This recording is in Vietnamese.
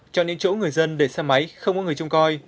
chọn những chỗ người dân để xe máy không có người trộm coi